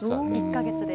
１か月で。